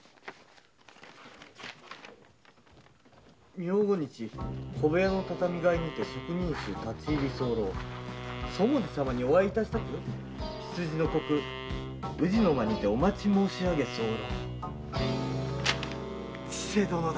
「明後日小部屋の畳替えにて職人衆立ち入り候」「そもじ様にお会いいたしたく未の刻宇治の間にてお待ち申しあげ候」千勢殿だ！